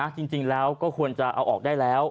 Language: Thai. จริงแล้วก็ควรจะเอาออกได้แล้ว